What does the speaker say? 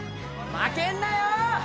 負けんなよ！